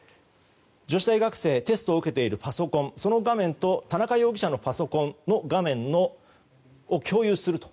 女子大学生、テストを受けているパソコンその画面と田中容疑者のパソコンの画面を共有すると。